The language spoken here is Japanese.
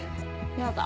やだ。